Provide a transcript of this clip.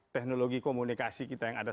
teknologi komunikasi kita yang ada